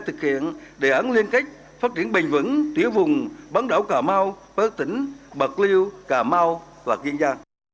thực hiện đề án liên kết phát triển bình vững tiểu vùng bắn đảo cà mau bất tỉnh bậc liêu cà mau và kiên giang